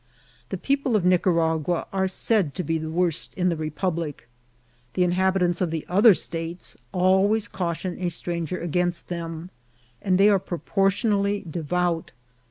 The people of Nic aragua are said to be the worst in the republic. The inhabitants of the other states always caution a stran ger against them, and they are proportionally devout.